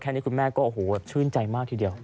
แค่นี้คุณแม่ก็ชื่นใจมากทีเดียว